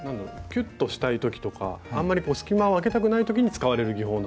キュッとしたい時とかあんまり隙間をあけたくない時に使われる技法なんですね。